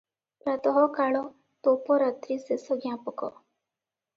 ପ୍ରାତଃ କାଳ ତୋପ ରାତ୍ରି ଶେଷଜ୍ଞାପକ ।